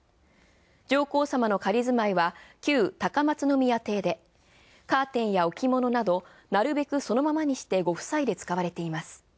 上皇さまの仮住まいは旧高松宮邸でカーテンや置物などなるべくそのままにしてご夫妻で使われています。